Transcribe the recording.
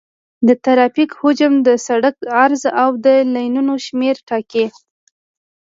د ترافیک حجم د سرک عرض او د لینونو شمېر ټاکي